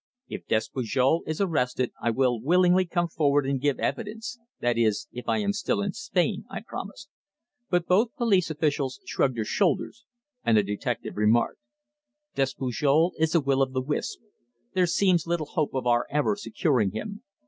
"If Despujol is arrested I will willingly come forward and give evidence that is, if I am still in Spain," I promised. But both police officials shrugged their shoulders, and the detective remarked: "Despujol is a will o' the wisp. There seems little hope of our ever securing him.